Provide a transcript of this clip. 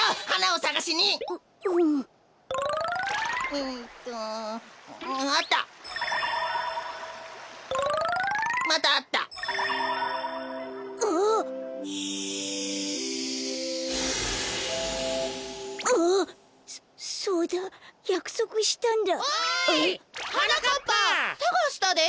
さがしたで。